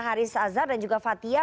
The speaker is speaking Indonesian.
haris azhar dan juga fathia